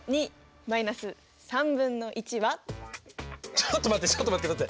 ちょっと待ってちょっと待って待って！